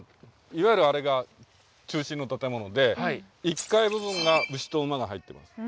いわゆるあれが中心の建物で１階部分が牛と馬が入っています。